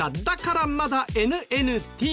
だからまだＮＮＴ。